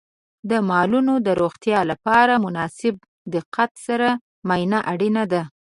د مالونو د روغتیا لپاره د مناسب دقت سره معاینه اړینه ده.